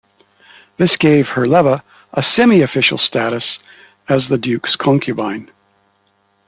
This gave Herleva a semi-official status as the Duke's concubine.